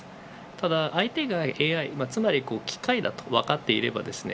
ただ相手がＡＩつまり機械だと分かっていればですね